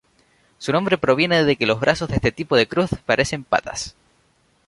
Su nombre proviene de que los brazos de este tipo de cruz parecen patas.